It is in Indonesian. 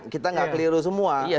kita nggak keliru semua